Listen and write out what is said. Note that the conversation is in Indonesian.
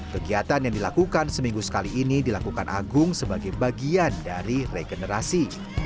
kegiatan yang dilakukan seminggu sekali ini dilakukan agung sebagai bagian dari regenerasi